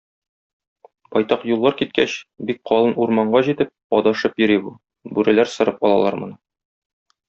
Байтак юллар киткәч, бик калын урманга җитеп, адашып йөри бу, бүреләр сырып алалар моны.